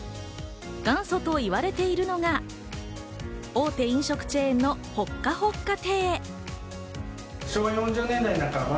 元祖と言われているのが大手飲食チェーンのほっかほっか亭。